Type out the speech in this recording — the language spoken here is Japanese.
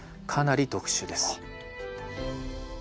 かなり特殊です。